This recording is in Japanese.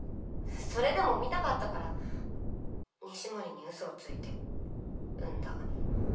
それでも産みたかったから西森に嘘をついて産んだ。